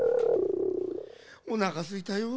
おなかすいたよう。